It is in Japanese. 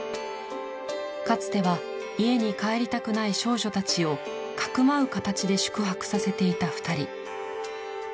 かつては家に帰りたくない少女たちをかくまう形で宿泊させていた２人。